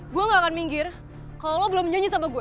gue gak akan minggir kalau lo belum nyanyi sama gue